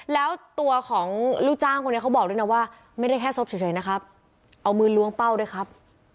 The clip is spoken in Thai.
แล้วตัวของลูกจ้างคนนี้เขาบอกด้วยนะว่าไม่ได้แค่ศพเฉยนะครับเอามือล้วงเป้าด้วยครับ